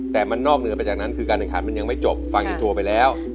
แต่มันนอกเหนือไปจากนั้นคือการแข่งขันมันยังไม่จบฟังอินโทรไปแล้ว